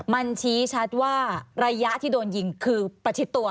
มันชี้ชัดว่าระยะที่โดนยิงคือประชิดตัว